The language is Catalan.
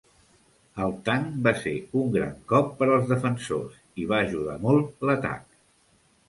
El tanc va ser un gran cop per als defensors i va ajudar molt l'atac.